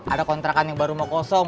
ada kontrakan yang baru mau kosong